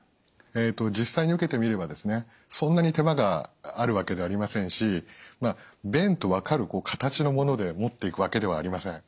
実際に受けてみればそんなに手間があるわけではありませんし便と分かる形のもので持っていくわけではありません。